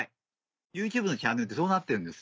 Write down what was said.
ＹｏｕＴｕｂｅのチャンネルってそうなってるんですよ。